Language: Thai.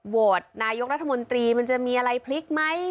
โหวตนายกรัฐมนตรีมันจะมีอะไรพลิกไหม